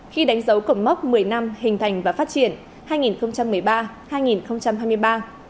khi đánh dấu cột mốc một mươi năm hình thành và phát triển hai nghìn một mươi ba hai nghìn hai mươi ba